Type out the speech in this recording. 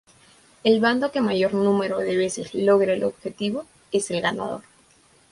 El bando que mayor número de veces logre el objetivo es el ganador.